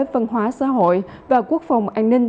văn hóa xã hội và quốc phòng an ninh